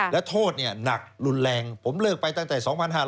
แล้วโทษนี่หนักรุนแรงผมเลิกไปตั้งแต่๒๕๔๖๔๗